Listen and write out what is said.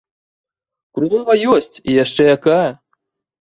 Крулова ёсць, і яшчэ якая!